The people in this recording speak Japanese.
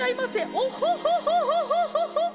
オホホホホ！